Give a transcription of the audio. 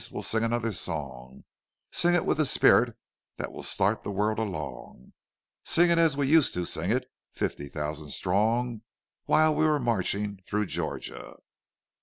we'll sing another song— Sing it with a spirit that will start the world along— Sing it as we used to sing it, fifty thousand strong,— While we were marching through Georgia!"